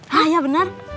hah ya benar